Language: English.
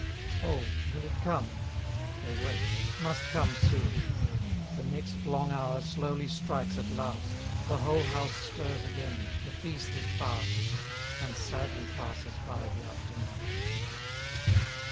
Oh! Will it come? They wait — It must come soon! The next long hour slowly strikes at last, The whole house stirs again, the feast is past, And sadly passes by the afternoon